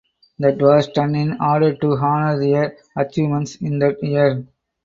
That was done in order to honor their achievements in that year.